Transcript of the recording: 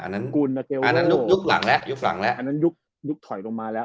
นั่นลุกหลังแล้ว